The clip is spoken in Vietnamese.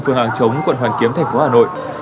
phường hàng chống quận hoàn kiếm thành phố hà nội